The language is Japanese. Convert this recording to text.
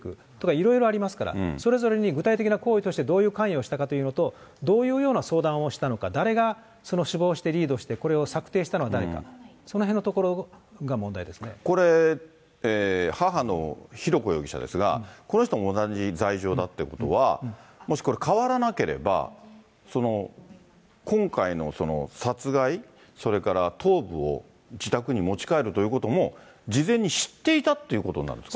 いろいろありますから、それぞれに具体的な行為としてどういう関与をしたかというのと、どういうような相談をしたのか、誰がその首謀してリードしてこれを策定したのは誰か、これ、母の浩子容疑者ですが、この人も同じ罪状だってことは、もし、これ変わらなければ、今回の殺害、それから頭部を自宅に持ち帰るということも、事前に知っていたということになるんですか？